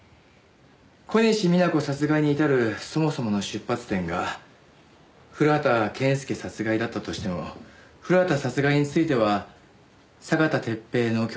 小西皆子殺害に至るそもそもの出発点が古畑健介殺害だったとしても古畑殺害については酒田鉄平の供述しかない。